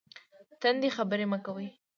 تندې خبرې مه کوئ